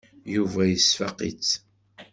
Yuba yesfaq-itt.